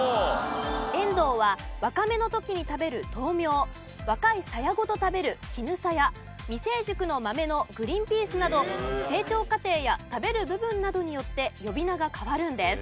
えんどうは若芽の時に食べる豆苗若いサヤごと食べるキヌサヤ未成熟の豆のグリンピースなど成長過程や食べる部分などによって呼び名が変わるんです。